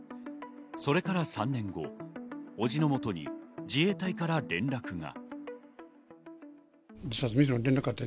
それから３年後、伯父のもとに自衛隊から連絡が。